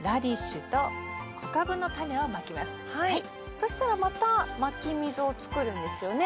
そしたらまたまき溝をつくるんですよね？